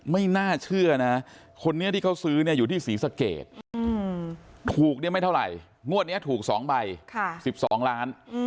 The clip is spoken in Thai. วันนี้ไม่เท่าไหร่งวดนี้ถูก๒ใบ๑๒ล้าน